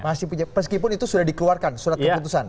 meskipun itu sudah dikeluarkan surat keputusan